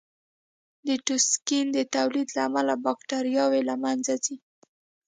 د ټوکسین د تولید له امله بکټریاوې له منځه ځي.